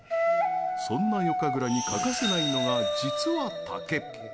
そんな夜神楽に欠かせないのが実は、竹。